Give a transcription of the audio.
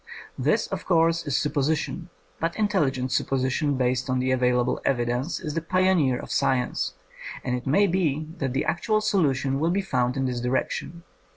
This, of course, is supposi tion, but intelligent supposition based on the available evidence is the pioneer of science, and it may be that the actual solution will be found in this direction.